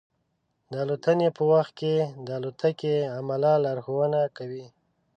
د الوتنې په وخت کې د الوتکې عمله لارښوونه کوي.